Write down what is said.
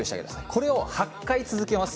これを８回続けます。